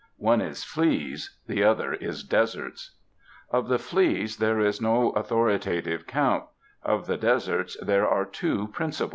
One is fleas, the other is deserts. Of the fleas there is no authorita tive count; of the deserts there are two principal.